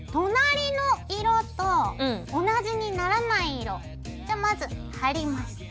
隣の色と同じにならない色じゃまず貼ります。